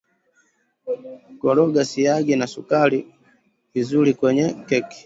Koroga siagi na sukari vizuri kwenye keki